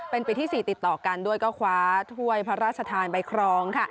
เป็นปีที่๔ติดต่อกันด้วยก็คว้าถ้วยพระราชทานไปครอง